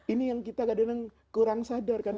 ini yang kita kadang kadang kurang sadar kan